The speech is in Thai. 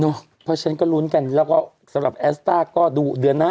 เพราะฉะนั้นก็ลุ้นกันแล้วก็สำหรับแอสต้าก็ดูเดือนหน้า